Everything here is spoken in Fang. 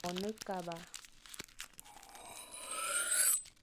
Mone kaba.